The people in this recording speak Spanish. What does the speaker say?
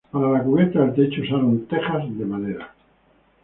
Para la cubierta del techo usaron tejas de madera.